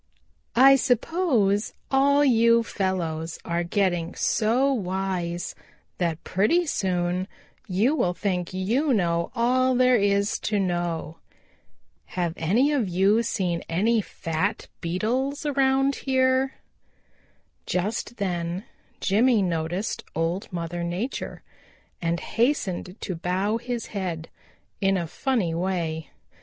I suppose all you fellows are getting so wise that pretty soon you will think you know all there is to know. Have any of you seen any fat Beetles around here?" Just then Jimmy noticed Old Mother Nature and hastened to bow his head in a funny way.